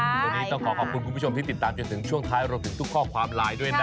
ตรงนี้ต้องขอขอบคุณคุณผู้ชมที่ติดตามจนถึงช่วงท้ายรวมถึงทุกข้อความไลน์ด้วยนะ